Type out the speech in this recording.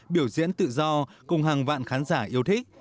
biểu diễn tự do cùng hàng vạn khán giả yêu thích